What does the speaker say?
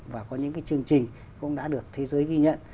và có những chương trình cũng đã được thế giới ghi nhận